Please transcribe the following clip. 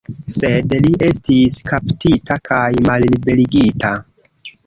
Sed li estis kaptita kaj malliberigita.